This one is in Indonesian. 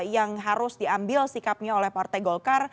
yang harus diambil sikapnya oleh partai golkar